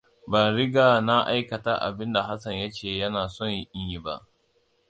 Ban riga na aikata abin da Hassan ya ce yana son in yi ba.